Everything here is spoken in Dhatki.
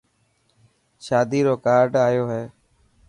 شادي رو ڪارڊآيو هي.